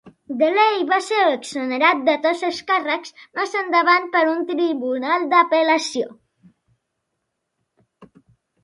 DeLay va ser exonerat de tots els càrrecs més endavant per un tribunal d'apel·lació.